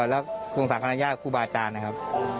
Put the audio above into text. แล้ววงศาคณะญาติครูบาอาจารย์นะครับ